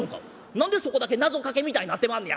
何でそこだけ謎かけみたいになってまんねや。